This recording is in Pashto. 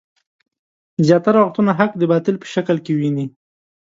زياتره وختونه حق د باطل په شکل کې ويني.